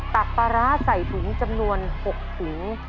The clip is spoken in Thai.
ักปลาร้าใส่ถุงจำนวน๖ถุง